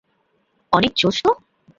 অনেক জোশ তো!